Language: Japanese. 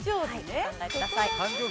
お考えください。